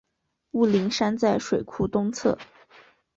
雾灵山在水库东侧。